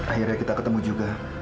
akhirnya kita ketemu juga